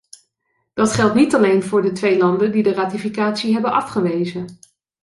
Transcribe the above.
Dat geldt niet alleen voor de twee landen die de ratificatie hebben afgewezen.